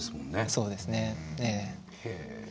そうですねええ。